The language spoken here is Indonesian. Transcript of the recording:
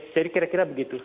jadi kira kira begitu